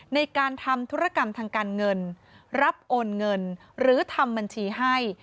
ในการทำธุรกรรมทางการเงินรับโอนเงินหรือทำบัญชีให้